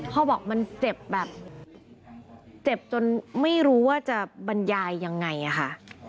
พ่อบอกมันเจ็บแบบเจ็บจนไม่รู้ว่าจะบรรยายยังไงอะค่ะ